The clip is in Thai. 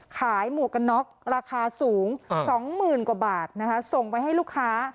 ขายหมวกกันน็อกราคาสูงสองหมื่นกว่าบาทนะคะส่งไปให้ลูกค้า